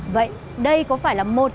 vậy đây có phải là một trong